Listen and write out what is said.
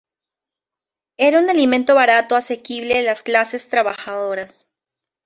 Era un alimento barato asequible a las clases trabajadoras.